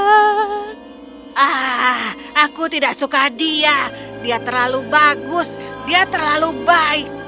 ah aku tidak suka dia dia terlalu bagus dia terlalu baik